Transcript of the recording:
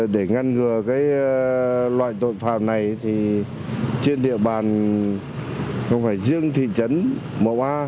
để ngăn ngừa loại tội phạm này trên địa bàn không phải riêng thị trấn mô a